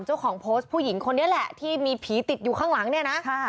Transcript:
เจ้าของโพสต์ผู้หญิงคนนี้แหละที่มีผีติดอยู่ข้างหลังเนี่ยนะ